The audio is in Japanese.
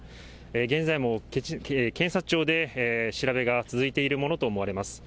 現在も検察庁で調べが続いているものと思われます。